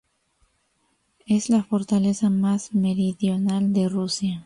Es la fortaleza más meridional de Rusia.